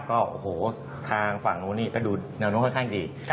ก็ทางฝั่งนู้นนี่ก็ดูเนื้อนู้นค่อยดี